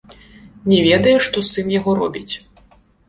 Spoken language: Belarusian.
Не ведае, што сын яго робіць.